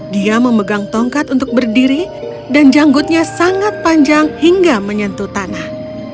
dia memegang tongkat untuk berdiri dan janggutnya sangat panjang hingga menyentuh tanah